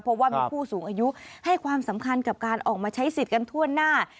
เพราะว่ามีผู้สูงอายุให้ความสำคัญกับการออกมาใช้สิทธิ์กันทั่วหน้า